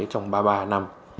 trong ba mươi ba năm